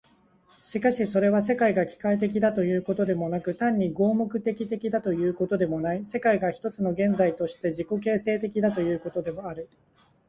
しかしそれは、世界が機械的だということでもなく、単に合目的的だということでもない、世界が一つの現在として自己形成的だということである。